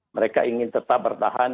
mereka ingin tetap bertahan